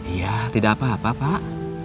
iya tidak apa apa pak